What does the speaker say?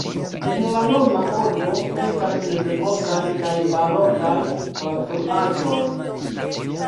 En la nuna urbo estas mezepokaj kaj barokaj konstruaĵoj.